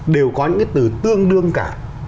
đều có những cái từ tương đương cả